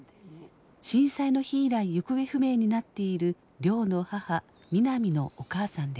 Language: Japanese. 震災の日以来行方不明になっている亮の母美波のお母さんです。